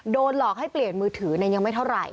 โดนหลอกให้เปลี่ยนมือถือยังไม่เท่าไหร่